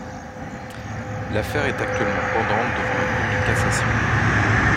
L’affaire est actuellement pendante devant la Cour de cassation.